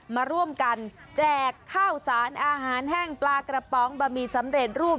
มาร่วมกันแจกข้าวสารอาหารแห้งปลากระป๋องบะหมี่สำเร็จรูป